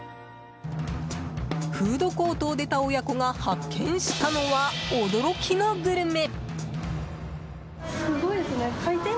フードコートを出た親子が発見したのは、驚きのグルメ。